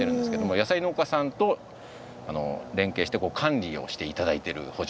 野菜農家さんと連携して管理をして頂いてる圃場になります。